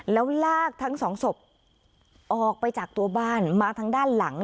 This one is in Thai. แล้วลากทั้งสองศพออกไปจากตัวบ้านมาทางด้านหลัง